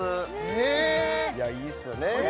へえいやいいっすよね